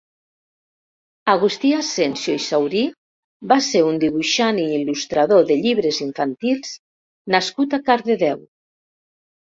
Agustí Asensio i Saurí va ser un dibuixant i il·lustrador de llibres infantils nascut a Cardedeu.